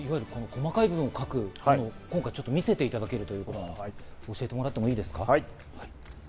細かいところを描くところ、今回、見させていただけるということですが、教えてもらっていいですか？